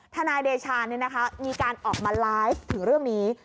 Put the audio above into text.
นายเดชามีการออกมาไลฟ์ถึงเรื่องนี้